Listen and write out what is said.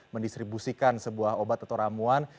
mendistribusikan sebuah obat atau ramuan